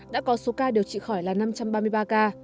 đã có số ca điều trị khỏi là năm trăm ba mươi ba ca